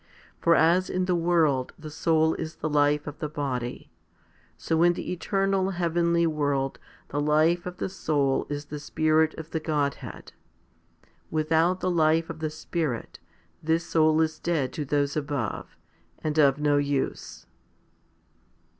For as in the world the soul is the life of the body, so in the eternal heavenly world the life of the soul is the Spirit of the Godhead. Without the life of the Spirit, this soul is dead to those above, and of no use.